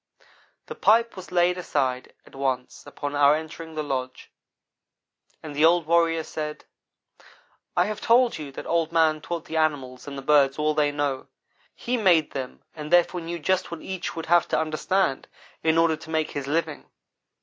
The pipe was laid aside at once upon our entering the lodge and the old warrior said: "I have told you that Old man taught the animals and the birds all they know. He made them and therefore knew just what each would have to understand in order to make his living.